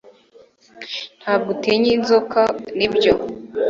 Ntabwo utinya inzoka nibyo